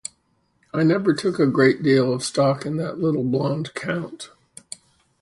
I never took a great deal of stock in that little blond Count.